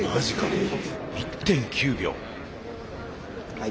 はい。